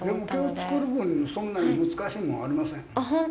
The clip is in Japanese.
でも、きょう作る分そんなに難しいものはありません。